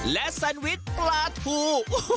และแซนวิชปลาทู